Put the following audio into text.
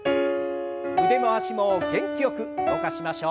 腕回しも元気よく動かしましょう。